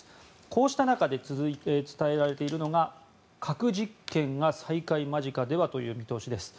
こうした中で伝えられているのが核実験が再開間近ではという見通しです。